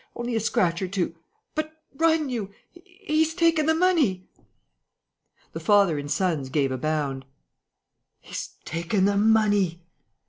only a scratch or two.... But run, you! He's taken the money." The father and sons gave a bound: "He's taken the money!"